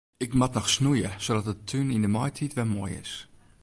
Ik moat noch snoeie sadat de tún yn de maitiid wer moai is.